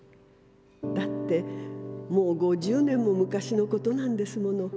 だってもう五十年も昔のことなんですもの。